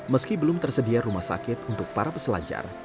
meski belum tersedia rumah sakit untuk para peselancar